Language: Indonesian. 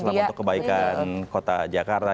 selamat untuk kebaikan kota jakarta